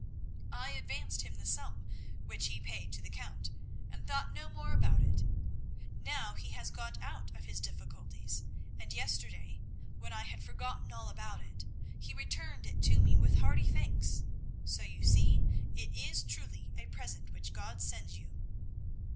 I advanced him the sum, which he paid to the Count, and thought no more about it. Now he has got out of his difficulties, and yesterday, when I had forgotten all about it, he returned it to me with hearty thanks. So you see it is truly a present which God sends you."